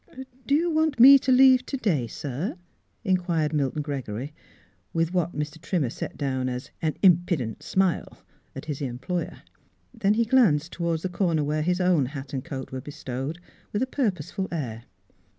" Do 3^ou want me to leave to day, sir ?" inquired Milton Gregory, with what Mr. Trimmer set down as " an impident smile " at his employer. Then he glanced toward the corner where his own hat and coat were bestowed, with a purposeful air.